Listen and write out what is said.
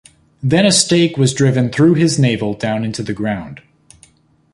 Then a stake was driven through his navel down into the ground.